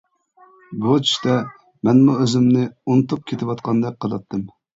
بۇ چۈشتە مەنمۇ ئۆزۈمنى ئۇنتۇپ كېتىۋاتقاندەك قىلاتتىم.